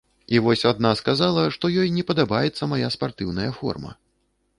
І вось адна сказала, што ёй не падабаецца мая спартыўная форма.